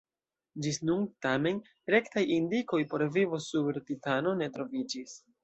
Ĝis nun, tamen, rektaj indikoj por vivo sur Titano ne troviĝis.